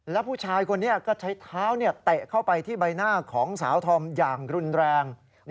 แล้วผู้ชายคนนี้ก็ใช้เท้าเตะเข้าไปที่ใบหน้าของสาวธอมอย่างรุนแรง